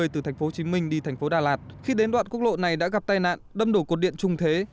từ tp hcm đi tp đà lạt khi đến đoạn quốc lộ này đã gặp tai nạn đâm đổ cột điện trùng thế